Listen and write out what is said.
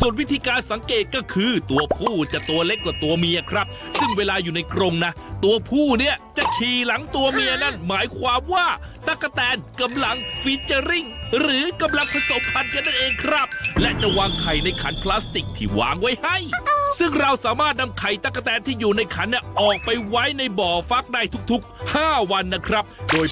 ส่วนวิธีการสังเกตก็คือตัวผู้จะตัวเล็กกว่าตัวเมียครับซึ่งเวลาอยู่ในกรงนะตัวผู้เนี่ยจะขี่หลังตัวเมียนั่นหมายความว่าตะกะแตนกำลังฟีเจอร์ริ่งหรือกำลังผสมพันธ์กันนั่นเองครับและจะวางไข่ในขันพลาสติกที่วางไว้ให้ซึ่งเราสามารถนำไข่ตะกะแตนที่อยู่ในขันเนี่ยออกไปไว้ในบ่อฟักได้ทุกทุกห้าวันนะครับโดย